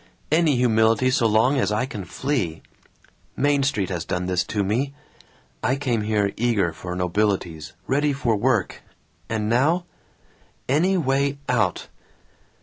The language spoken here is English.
Any humility so long as I can flee. Main Street has done this to me. I came here eager for nobilities, ready for work, and now Any way out.